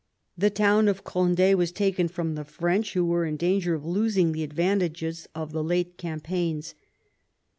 The town of Cond6 was taken from the French, who were in danger of losing the advantages of the late campaigns.